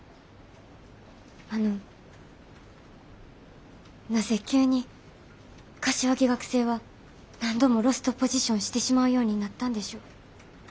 あのなぜ急に柏木学生は何度もロストポジションしてしまうようになったんでしょう。